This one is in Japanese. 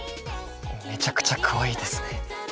めちゃくちゃかわいいですね。